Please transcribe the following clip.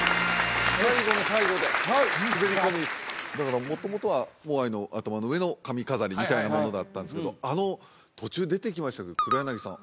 最後の最後で滑り込みだから元々はモアイの頭の上の髪飾りみたいなものだったんですけどあの途中出てきましたけど黒柳さん